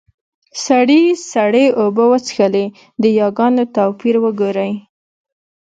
سړي سړې اوبۀ وڅښلې . د ياګانو توپير وګورئ!